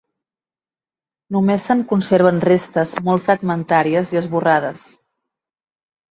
Només se'n conserven restes molt fragmentàries i esborrades.